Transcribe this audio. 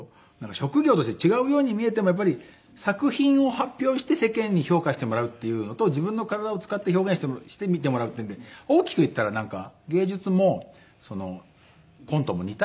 職業として違うように見えてもやっぱり作品を発表して世間に評価してもらうっていうのと自分の体を使って表現して見てもらうっていうので大きく言ったらなんか。